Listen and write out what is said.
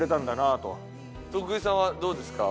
徳井さんはどうですか？